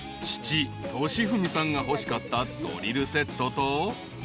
［父敏文さんが欲しかったドリルセットと］